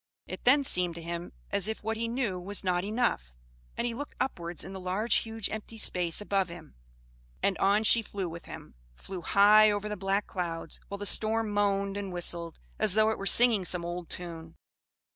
It then seemed to him as if what he knew was not enough, and he looked upwards in the large huge empty space above him, and on she flew with him; flew high over the black clouds, while the storm moaned and whistled as though it were singing some old tune.